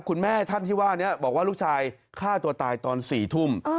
คุณแม่ท่านที่ว่านี้บอกว่าลูกชายฆ่าตัวตายตอน๔ทุ่ม